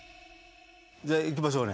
じゃあいきましょうね。